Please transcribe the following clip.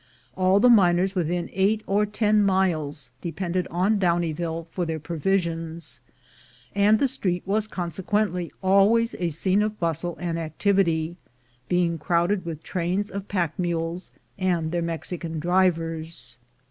All the miners within eight or ten miles depended on Downieville for their provisions, and the street was consequently always a scene of bustle and activity, being crowded with trains of pack mules and their Mexican drivers.